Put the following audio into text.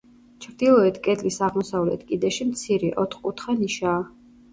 ჩრდილოეთ კედლის აღმოსავლეთ კიდეში მცირე, ოთხკუთხა ნიშაა.